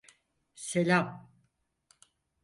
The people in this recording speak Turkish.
SeIam.